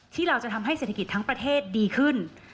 ที่เราจะทำให้เศรษฐกิจทั้งประเทศดีขึ้น